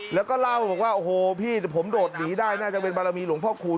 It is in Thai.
แล้วก็เล่าบอกว่าโอ้โหพี่เดี๋ยวผมโดดหนีได้น่าจะเป็นบารมีหลวงพ่อคูณ